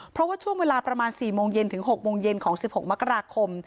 เพราะว่าช่วงเวลาประมาณ๔โมงเย็นถึง๖โมงเย็นของ๑๖มกราคม